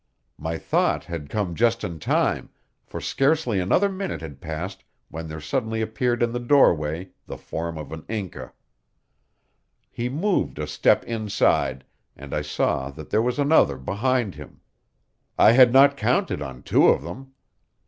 My thought had come just in time, for scarcely another minute had passed when there suddenly appeared in the doorway the form of an Inca. He moved a step inside, and I saw that there was another behind him. I had not counted on two of them!